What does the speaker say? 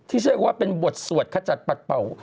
เชื่อว่าเป็นบทสวดขจัดปัดเป่า